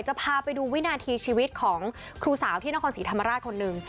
จะพาไปดูวินาทีชีวิตของครูสาวที่นครศรีธรรมราชคนหนึ่ง